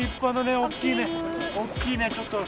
大きいねちょっと。